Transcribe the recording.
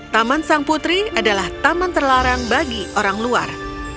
taman sang putri adalah taman terlarang bagi orang luar